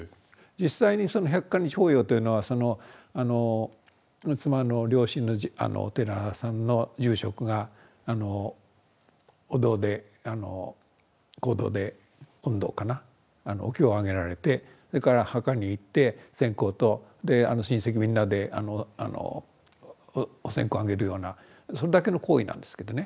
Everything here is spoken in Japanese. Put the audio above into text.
実際にその百箇日法要というのはその妻の両親のお寺さんの住職がお堂で講堂で本堂かなお経を上げられてそれから墓に行って線香と親戚みんなでお線香を上げるようなそれだけの行為なんですけどね。